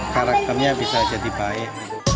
karakternya bisa jadi baik